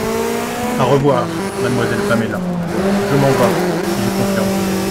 À revoir, mademoiselle Paméla ; je m’en vas… j’ai confiance.